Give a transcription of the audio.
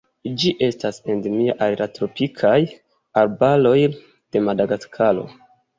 Ĝi estas endemia al la tropikaj arbaroj de Madagaskaro.